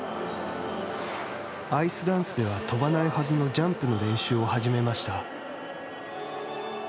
アイスダンスでは飛ばないはずの、ジャンプの練習を始めました。